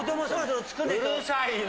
うるさいな。